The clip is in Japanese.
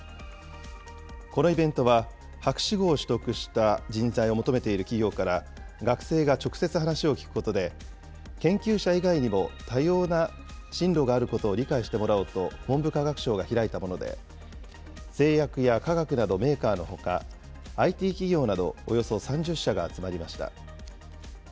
このイベントは、博士号を取得した人材を求めている企業から、学生が直接話を聞くことで、研究者以外にも多様な進路があることを理解してもらおうと、文部科学省が開いたもので、製薬や化学などメーカーのほか、ＩＴ企業などおよそ３０社が集まりました。